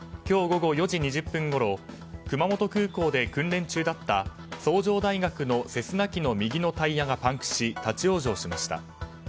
今日午後４時２０分ごろ熊本空港で訓練中だった崇城大学のセスナ機の右のタイヤがパンクし立ち往生しました。